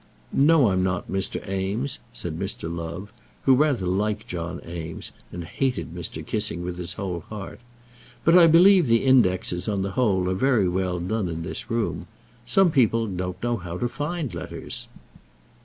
"No, I'm not, Mr. Eames," said Mr. Love, who rather liked John Eames, and hated Mr. Kissing with his whole heart. "But I believe the indexes, on the whole, are very well done in this room. Some people don't know how to find letters."